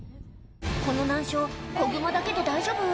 この難所子グマだけで大丈夫？